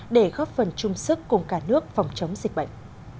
để góp phần chung sức cùng cả nước phòng chống dịch bệnh